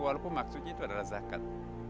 walaupun maksudnya itu adalah zakat